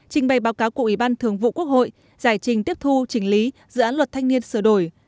trình bày báo cáo của ủy ban thường vụ quốc hội giải trình tiếp thu trình lý dự án luật thanh niên sửa đổi